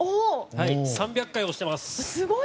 ３００回押してます。